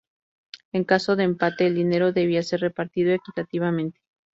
En caso de empate, el dinero debía ser repartido equitativamente.